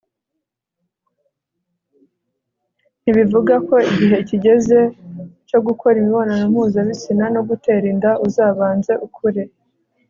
ntibivuga ko igihe kigeze cyo gukora imibonano mpuzabitsina no gutera inda. uzabanza ukure